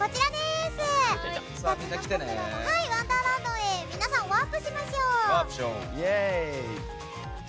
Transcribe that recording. タツノコプロワンダーランドへ皆さん、ワープしましょう！